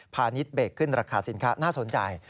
พานิดเบกขึ้นราคาสินค้าน่าสนใจ